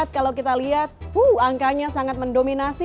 kalau kita lihat angkanya sangat mendominasi